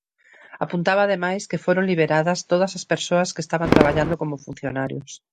Apuntaba ademais que foron liberadas todas as persoas que estaban traballando como funcionarios.